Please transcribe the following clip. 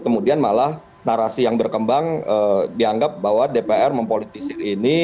kemudian malah narasi yang berkembang dianggap bahwa dpr mempolitisir ini